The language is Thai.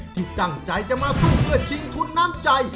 ที่ตั้งใจจะมาสู้เพื่อชิงทุนน้ำใจ